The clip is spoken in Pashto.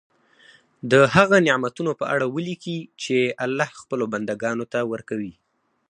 د هغه نعمتونو په اړه ولیکي چې الله خپلو بندګانو ته ورکوي.